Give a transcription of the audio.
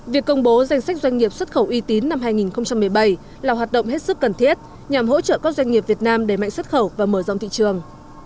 việc công bố danh sách doanh nghiệp xuất khẩu uy tín năm hai nghìn một mươi bảy là hoạt động hết sức cần thiết nhằm hỗ trợ các doanh nghiệp việt nam đẩy mạnh xuất khẩu và mở rộng thị trường